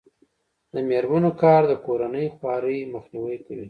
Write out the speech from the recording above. د میرمنو کار د کورنۍ خوارۍ مخنیوی کوي.